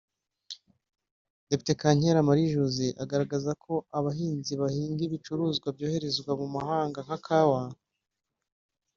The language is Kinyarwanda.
Depite Kankera Marie Josée agaragaza ko abahinzi bahinga ibicuruzwa byoherezwa mu mahanga nka Kawa